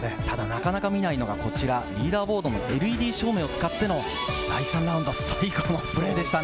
なかなか見ないのが、リーダーズボード、ＬＥＤ照明を使っての最終組のプレーでしたね。